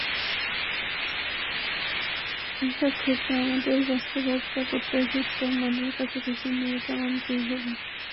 এসব ক্ষেত্রে আমাদের বাস্তবতা প্রত্যাশিত মানের কাছাকাছি নেই, এটা মানতেই হবে।